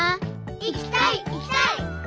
いきたいいきたい！